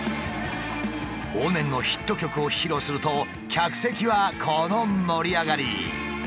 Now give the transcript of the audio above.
往年のヒット曲を披露すると客席はこの盛り上がり！